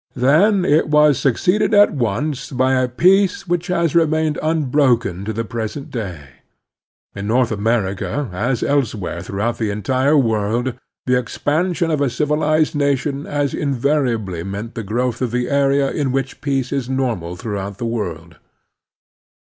Then it was succeeded at once by a peace which has remained unbroken to the present day. In Expansion and Peace 35 North America, as elsewhere throughout the entire world, the expansion of a civilized nation has invariably meant the growth of the area in which peace is normal throughout the world.